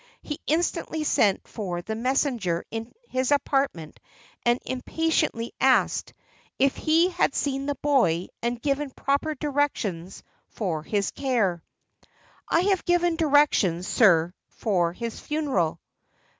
He instantly sent for the messenger into his apartment, and impatiently asked, "If he had seen the boy, and given proper directions for his care." "I have given directions, sir, for his funeral."